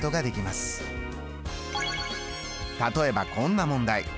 例えばこんな問題。